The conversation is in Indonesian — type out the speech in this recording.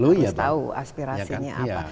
harus tahu aspirasinya apa